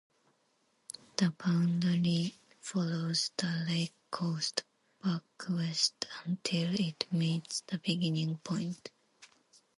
The boundary follows the lake coast back west until it meets the beginning point.